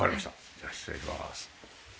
じゃあ失礼します。